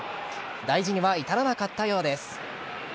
大事には至らなかったようです。